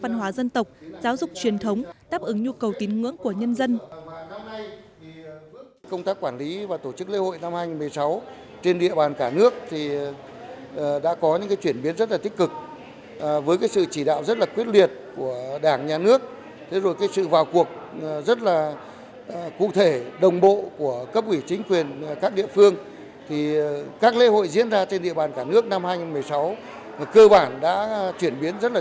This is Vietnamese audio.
công tác văn hóa dân tộc giáo dục truyền thống táp ứng nhu cầu tín ngưỡng của nhân dân